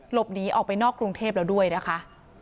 หลบหนีออกไปนอกกรุงเทพแล้วด้วยนะคะ